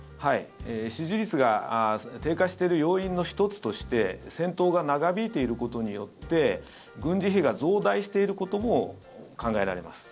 支持率が低下している要因の１つとして戦闘が長引いていることによって軍事費が増大していることも考えられます。